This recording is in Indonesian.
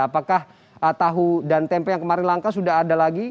apakah tahu dan tempe yang kemarin langka sudah ada lagi